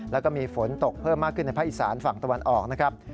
แล้วก็มีฝนตกเพิ่มมากขึ้นในภาคอีสานฝั่งตะวันออกนะครับ